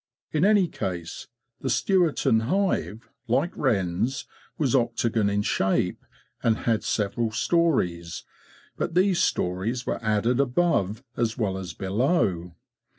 In any case, the '' Stewarton '"' hive, like Wren's, was octagon in shape, and had several stories; but these stories were added above as well as below.